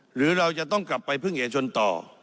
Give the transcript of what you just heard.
หรือเราจะต้องกลับไปพึ่งเอกชนต่อ